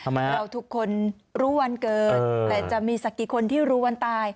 เราทุกคนรู้วันเกิดแต่จะมีสักกี่คนที่รู้วันตาย